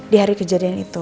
di hari kejadian itu